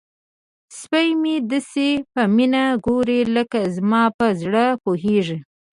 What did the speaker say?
سپی مې داسې په مینه ګوري لکه زما په زړه پوهیږي.